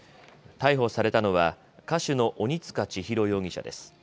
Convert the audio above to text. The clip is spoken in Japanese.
逮捕されたのは歌手の鬼束ちひろ容疑者です。